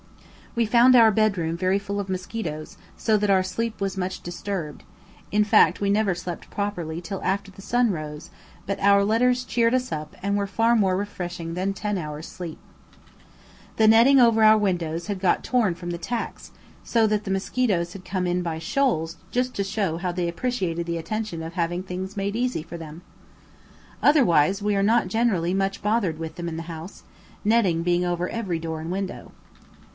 We found our bedroom very full of mosquitoes, so that our sleep was much disturbed, in fact we never slept properly till after the sun rose; but our letters cheered us up and were far more refreshing than ten hours' sleep. The netting over our windows had got torn from the tacks, so that the mosquitoes had come in by shoals just to show how they appreciated the attention of having things made easy for them. Otherwise, we are not generally much bothered with them in the house, netting being over every door and window.